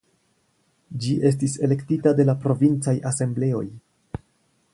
Ĝi estis elektita de la 'Provincaj Asembleoj'.